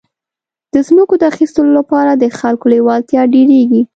د ځمکو د اخیستو لپاره د خلکو لېوالتیا ډېرېږي.